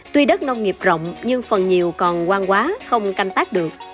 tuy đất nông nghiệp rộng nhưng phần nhiều còn quang quá không canh tác được